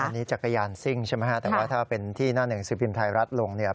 อันนี้จักรยานซิ่งใช่ไหมฮะแต่ว่าถ้าเป็นที่หน้าหนึ่งสิบพิมพ์ไทยรัฐลงเนี่ย